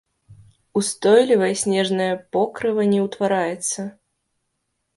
Устойлівае снежнае покрыва не ўтвараецца.